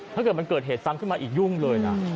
ถ้าเกิดมันเกิดเหตุซ้ำขึ้นมาอีกยุ่งเลยนะ